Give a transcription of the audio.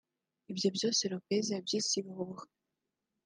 Ibyo byose Lopez yabyise ibihuha